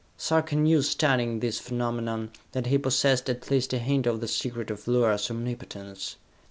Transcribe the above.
Sarka knew, studying this phenomenon, that he possessed at least a hint of the secret of Luar's omnipotence.